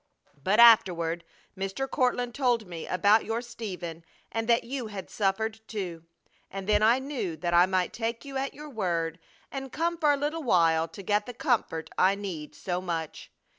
But afterward Mr. Courtland told me about your Stephen and that you had suffered, too! And then I knew that I might take you at your word and come for a little while to get the comfort I need so much!